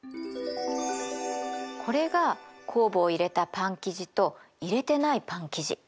これが酵母を入れたパン生地と入れてないパン生地。